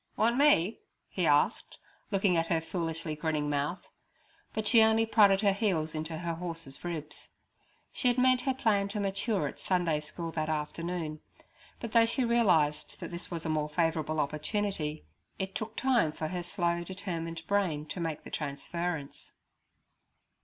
'Want me?' he asked, looking at her foolishly grinning mouth; but she only prodded her heels into her horse's ribs. She had meant her plan to mature at Sunday school that afternoon, but though she realized that this was a more favourable opportunity, it took time for her slow, determined brain to make the transference.